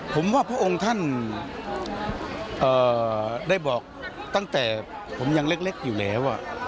ผมว่าพระองค์ท่านได้บอกตั้งแต่ผมยังเล็กอยู่แล้ว